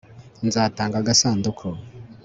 nzatanga agasanduku